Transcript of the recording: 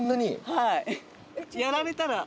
はい。